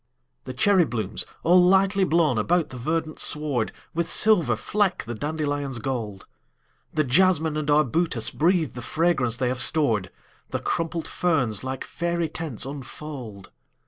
The cherry blooms, all lightly blown about the verdant sward, With silver fleck the dandelion's gold; The jasmine and arbutus breathe the fragrance they have stored; The crumpled ferns, like faery tents, unfold.